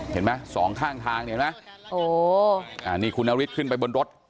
เห็นไหม๒ข้างทางเห็นไหม